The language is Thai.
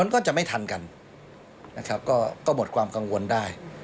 ก็จะไม่ทันแล้วก็มดกว่ามกังวลได้